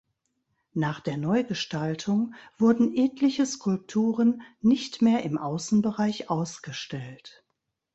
Nach der Neugestaltung wurden etliche Skulpturen nicht mehr im Außenbereich ausgestellt.